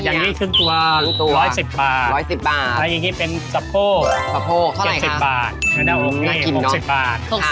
อย่างนี้ครึ่งตัว๑๑๐บาท